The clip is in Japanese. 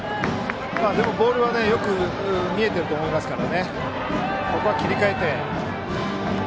でも、ボールはよく見えていると思いますからここは切り替えて。